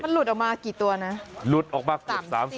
มันหลุดออกมากี่ตัวนะหลุดออกมา๓๐